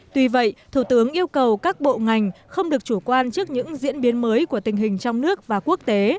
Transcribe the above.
tuy vậy thủ tướng yêu cầu các bộ ngành không được chủ quan trước những diễn biến mới của tình hình trong nước và quốc tế